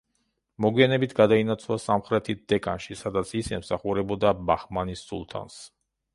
მოგვიანებით, გადაინაცვლა სამხრეთით დეკანში, სადაც ის ემსახურებოდა ბაჰმანის სულთანს.